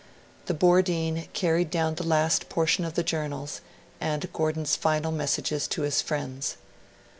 The Bordeen carried down the last portion of the Journals, and Gordon's final messages to his friends.